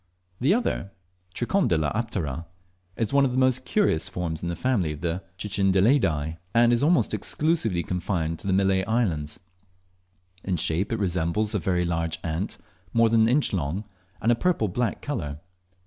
The other, Tricondyla aptera, is one of the most curious forms in the family of the Cicindelidae, and is almost exclusively confined to the Malay islands. In shape it resembles a very large ant, more than an inch long, and of a purple black colour.